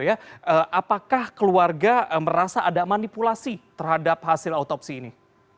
apakah keluarga merasa ada manipulasi terhadap hasil autopsi ini